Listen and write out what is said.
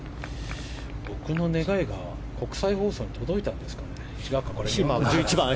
僕の願いが国際放送に届いたのかな。